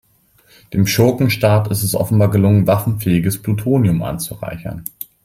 Dem Schurkenstaat ist es offenbar gelungen, waffenfähiges Plutonium anzureichern.